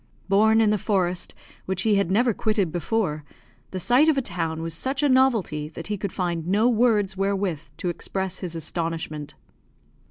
Born in the forest, which he had never quitted before, the sight of a town was such a novelty that he could find no words wherewith to express his astonishment.